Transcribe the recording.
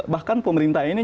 bahkan pemerintah ini